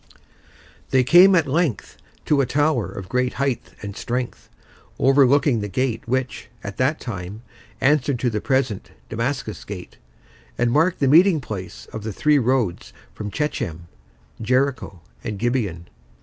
They came, at length, to a tower of great height and strength, overlooking the gate which, at that time, answered to the present Damascus Gate, and marked the meeting place of the three roads from Shechem, Jericho, and Gibeon.